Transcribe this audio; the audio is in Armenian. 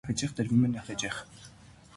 Հաճախ տրվում է նախաճաշին։